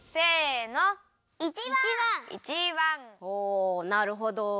おなるほど。